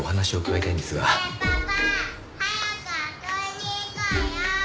ねえパパ早く遊びに行こうよ！